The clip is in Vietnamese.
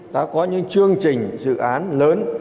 đã có những chương trình dự án lớn